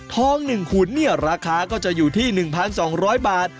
๑ขุนเนี่ยราคาก็จะอยู่ที่๑๒๐๐บาท